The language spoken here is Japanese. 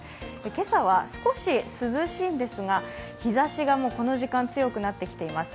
今朝は少し涼しいんですが、日ざしがこの時間、強くなってきています。